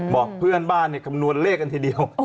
บอกเพื่อนบ้านคำนวณเลขกันทีเดียว